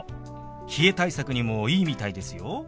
冷え対策にもいいみたいですよ。